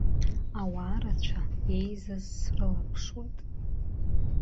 Ауаа рацәа еизаз срылаԥшуеит.